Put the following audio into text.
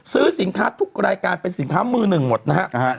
ซื้อรายการเป็นสินค้ามือหนึ่งหมดนะฮะ